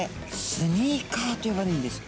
スニーカーと呼ばれるんです。